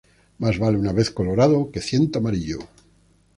Más vale una vez colorado que ciento amarillo